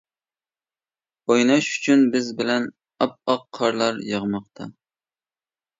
ئويناش ئۈچۈن بىز بىلەن، ئاپئاق قارلار ياغماقتا.